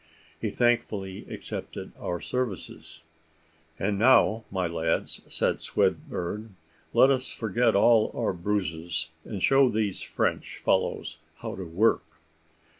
He thankfully accepted our services. "And now, my lads," said Swinburne, "let us forget all our bruises, and show these French follows how to work."